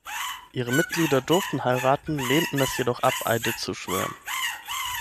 Ihre Mitglieder durften heiraten, lehnten es jedoch ab, Eide zu schwören.